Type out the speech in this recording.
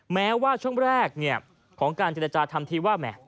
แม้ว่าช่วงแรกของการจิตตาธรรมที่ว่า